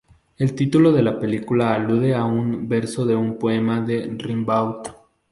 El título de la película alude a un verso de un poema de Rimbaud.